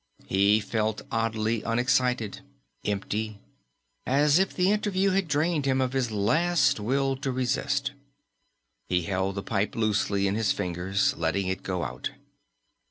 He felt oddly unexcited, empty, as if the interview had drained him of his last will to resist. He held the pipe loosely in his fingers, letting it go out.